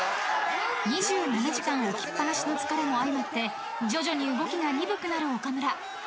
［２７時間起きっぱなしの疲れも相まって徐々に動きが鈍くなる岡村］